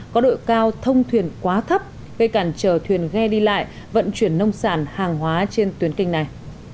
có đội cao thông thuyền quá thấp gây cản trở thuyền ghe đi lại vận chuyển nông sản hàng hóa trên tuyến kênh này